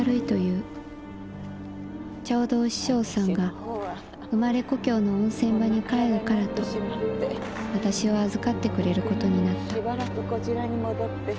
ちょうどお師匠さんが生まれ故郷の温泉場に帰るからと私を預かってくれることになった」。